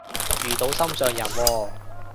遇到心上人喎？